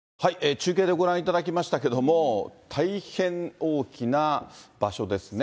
中継でご覧いただきましたけれども、大変大きな場所ですね。